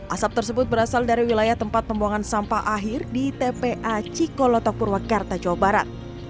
asap tersebut berasal dari wilayah tempat pembuangan sampah akhir di tpa cikolotok purwakarta jawa barat